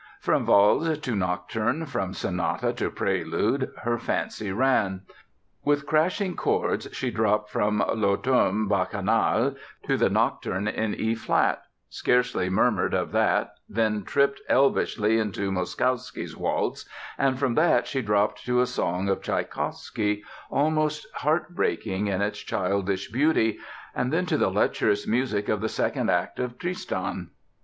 From valse to nocturne, from sonata to prelude, her fancy ran. With crashing chords she dropped from "L'Automne Bacchanale" to the Nocturne in E flat; scarcely murmured of that, then tripped elvishly into Moszkowsky's Waltz, and from that she dropped to a song of Tchaikowsky, almost heartbreaking in its childish beauty, and then to the lecherous music of the second act of "Tristan."